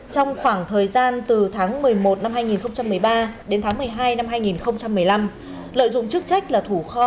trong khoảng thời gian từ tháng một mươi một năm hai nghìn một mươi ba đến tháng một mươi hai năm hai nghìn một mươi năm lợi dụng chức trách là thủ kho